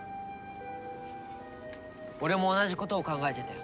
俺も同じことを考えてたよ。